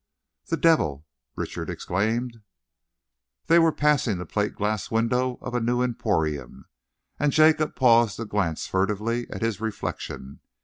"The devil!" Richard exclaimed. They were passing the plate glass window of a new emporium, and Jacob paused to glance furtively at his reflection.